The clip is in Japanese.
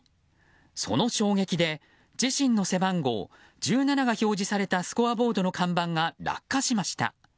その衝撃で、自身の背番号１７が表示されたスコアボードの看板が落下しました。